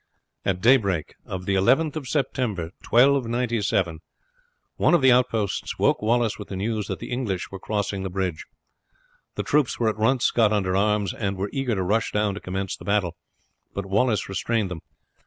At daybreak of the 11th of September, 1297, one of the outposts woke Wallace with the news that the English were crossing the bridge. The troops were at once got under arms, and were eager to rush down to commence the battle, but Wallace restrained them.